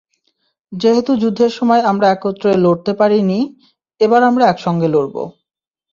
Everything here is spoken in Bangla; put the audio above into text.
যেহেতু যুদ্ধের সময় আমরা একত্রে লড়তে পারিনি, এবার আমরা একসঙ্গে লড়ব।